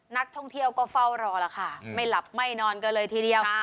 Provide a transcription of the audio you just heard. นักท่องเที่ยวก็เฝ้ารอล่ะค่ะไม่หลับไม่นอนกันเลยทีเดียว